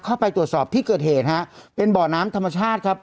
เข้าไปตรวจสอบที่เกิดเหตุฮะเป็นบ่อน้ำธรรมชาติครับ